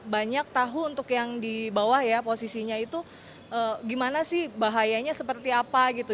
banyak tahu untuk yang di bawah ya posisinya itu gimana sih bahayanya seperti apa gitu